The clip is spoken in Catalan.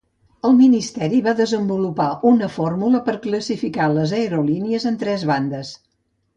El ministeri va desenvolupar una fórmula per classificar les aerolínies en tres bandes.